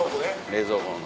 冷蔵庫の。